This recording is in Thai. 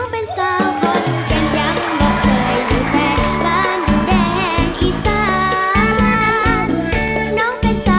โปรดติดตามตอนต่อไป